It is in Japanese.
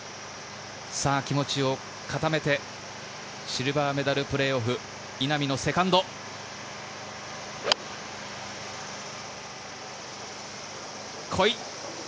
気持ちを固めて、シルバーメダルプレーオフ、稲見のセカンド。来い！